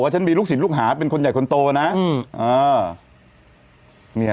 เป็นรูปสินต์ลูกหาเป็นคนใหญ่คนโตนะอ๋อเนี่ย